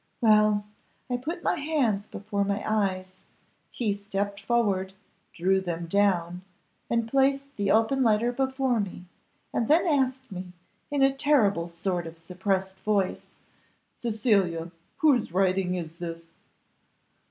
Well! I put my hands before my eyes; he stepped forward, drew them down, and placed the open letter before me, and then asked me, in a terrible sort of suppressed voice, 'Cecilia, whose writing is this?